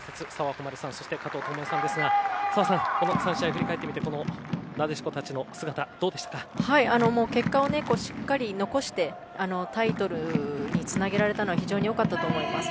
穂希さんそして加藤與惠さんですが澤さん、３試合を振り返ってみてなでしこたちの姿結果をしっかり残してタイトルにつなげられたのは非常に良かったと思います。